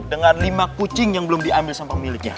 dengan lima kucing yang belum diambil sama pemiliknya